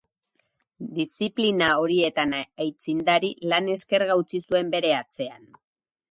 Diziplina horietan aitzindari, lan eskerga utzi zuen bere atzean.